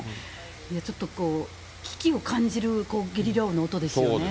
ちょっと危機を感じるゲリラ豪雨の音ですよね。